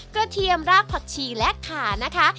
เทียมรากผักชีและขานะคะ